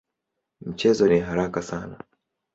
Mchezo ni haraka sana.